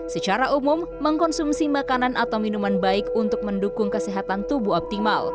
secara umum mengkonsumsi makanan atau minuman baik untuk mendukung kesehatan tubuh optimal